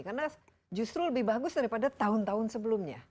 karena justru lebih bagus daripada tahun tahun sebelumnya